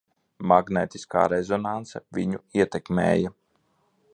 Magnētiskā rezonanse viņu ietekmēja.